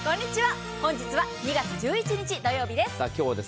本日は２月１１日土曜日です。